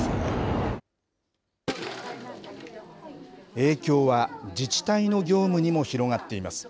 影響は自治体の業務にも広がっています。